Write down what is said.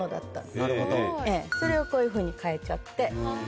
すごい。それをこういうふうに変えちゃって。